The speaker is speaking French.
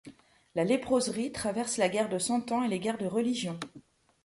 La léproserie traverse la guerre de Cent Ans et les guerres de religion.